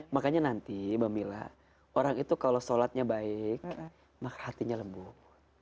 makanya nanti mbak mila orang itu kalau sholatnya baik maka hatinya lembuk